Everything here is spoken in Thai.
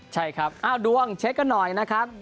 ใช่ครับดวงเช็คกันหน่อยนะครับ